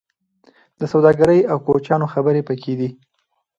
د سوداګرۍ او کوچیانو خبرې پکې دي.